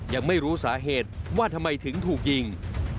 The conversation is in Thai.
ยังไม่รู้สาเหตุว่าทำไมถึงถูกยิง